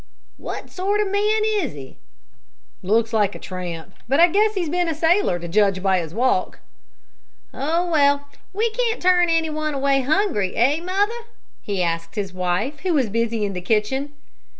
"What sort of a man is he?" "Looks like a tramp, but I guess he's been a sailor to judge by his walk." "Oh, well, we can't turn anyone away hungry; eh, Mother?" he asked his wife, who was busy in the kitchen.